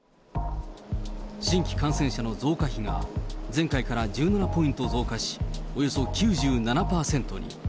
新規感染者の増加比が、前回から１７ポイント増加し、およそ９７％に。